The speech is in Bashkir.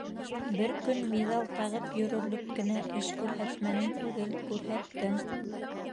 Бер көн миҙал тағып йөрөрлөк кенә эш күрһәтмәнең түгел, күрһәттең.